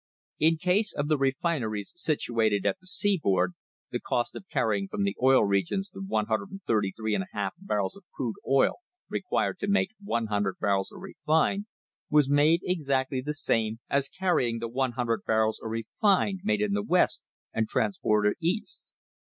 ^ In case of the refineries situated at the seaboard the cost of carrying from the Oil Regions the 133^2 barrels of crude oil required to make 100 barrels of refined was made exactly the same as carrying the 100 barrels of refined made in the West and transported East.